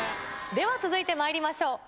では続いてまいりましょう。